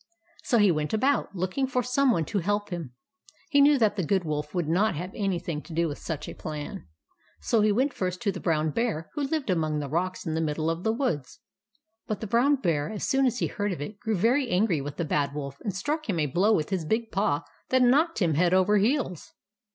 So he went about, looking for some one to help him. He knew that the Good Wolf would not have anything to do with such a plan, so he went first to the Brown Bear who lived among the rocks in the middle of the woods. But the Brown Bear, as soon he heard of it, grew very angry with the Bad Wolf, and struck him a blow with his big paw that knocked him head over heels.